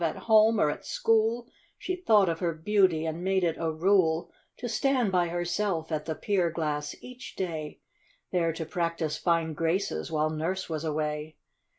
At home or at school She thought of her beauty, and made it a rule To stand by herself at the pier glass each day, There to practice fine graces, while nurse was away.